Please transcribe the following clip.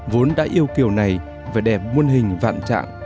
vốn đã yêu kiểu này về đẹp môn hình vạn trạng